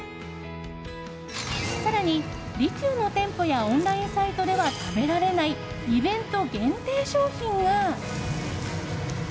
更に、利久の店舗やオンラインサイトでは食べられないイベント限定商品が。